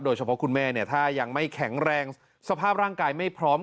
คุณแม่เนี่ยถ้ายังไม่แข็งแรงสภาพร่างกายไม่พร้อม